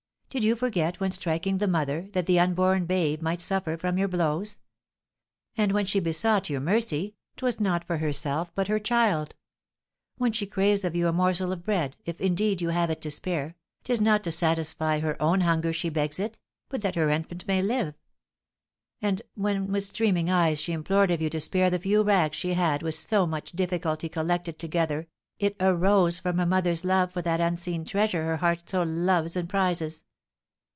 Did you forget, when striking the mother, that the unborn babe might suffer from your blows? And when she besought your mercy, 'twas not for herself, but her child. When she craves of you a morsel of bread, if, indeed, you have it to spare, 'tis not to satisfy her own hunger she begs it, but that her infant may live; and when, with streaming eyes, she implored of you to spare the few rags she had with so much difficulty collected together, it arose from a mother's love for that unseen treasure her heart so loves and prizes.